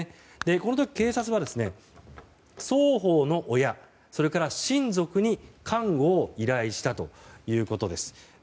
この時、警察は双方の親それから親族に監護を依頼したということです。